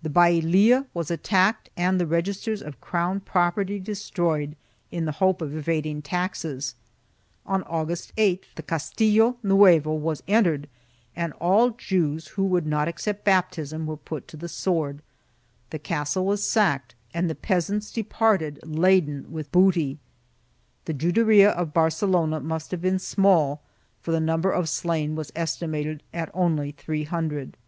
The Baylia was attacked and the registers of crown property destroyed, in the hope of evading taxes. On August 8th the Castillo Nuevo was entered and all Jews who would not accept baptism were put to the sword; the castle was sacked and the peasants departed laden with booty. The Juderia of Barcelona must have been small, for the number of slain was estimated at only three hundred.